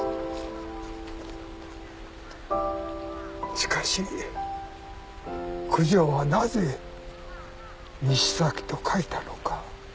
しかし九条はなぜ「にしさき」と書いたのか。